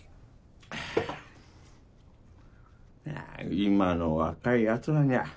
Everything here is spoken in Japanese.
今の若い奴らにゃ